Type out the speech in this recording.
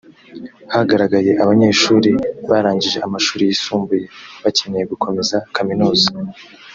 hagaragaye abanyeshuri barangije amashuri yisumbuye bakeneye gukomeza kaminuza